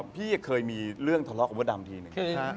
พี่เคยมีเรื่องทะเลาะกับมดดำทีหนึ่ง